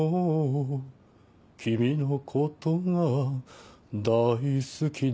「君のことが大好きだ」